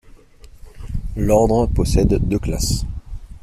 L'ordre possède deux classes.